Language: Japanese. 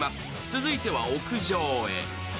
続いては屋上へ。